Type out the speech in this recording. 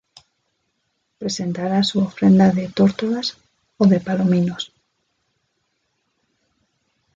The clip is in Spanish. Presentará su ofrenda de tórtolas, ó de palominos.